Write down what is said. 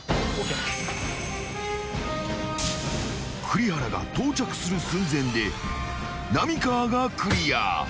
［栗原が到着する寸前で浪川がクリア］